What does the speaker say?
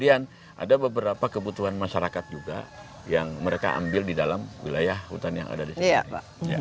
ada beberapa kebutuhan masyarakat juga yang mereka ambil di dalam wilayah hutan yang ada di sini